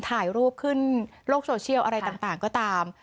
ถ่ายรูปขึ้นโลกโซเชียลอะไรต่างก็ตาม